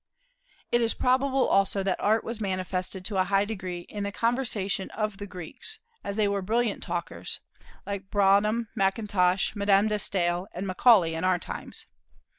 It is probable also that Art was manifested to a high degree in the conversation of the Greeks, as they were brilliant talkers, like Brougham, Mackintosh, Madame de Staël, and Macaulay, in our times.